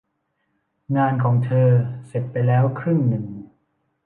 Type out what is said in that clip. งานของเธอเสร็จไปแล้วครึ่งหนึ่ง